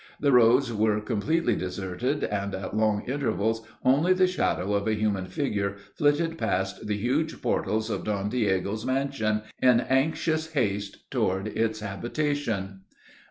The roads were completely deserted, and at long intervals only the shadow of a human figure flitted past the huge portals of Don Diego's mansion, in anxious haste toward its habitation.